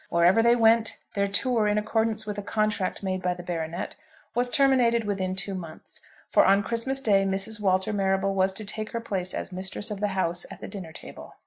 Wherever they went, their tour, in accordance with a contract made by the baronet, was terminated within two months. For on Christmas Day Mrs. Walter Marrable was to take her place as mistress of the house at the dinner table.